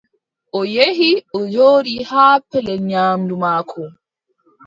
O yehi, o jooɗi haa pellel nyaamndu maako.